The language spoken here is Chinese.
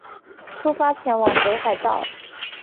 出发前往北海道